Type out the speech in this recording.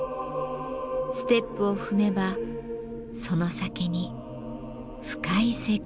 ステップを踏めばその先に深い世界が広がります。